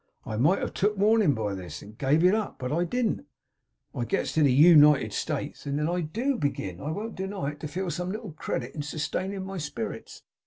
I might have took warning by this, and gave it up; but I didn't. I gets to the U nited States; and then I DO begin, I won't deny it, to feel some little credit in sustaining my spirits.